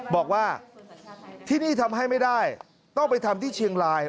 บอกว่าที่นี่ทำให้ไม่ได้ต้องไปทำที่เชียงราย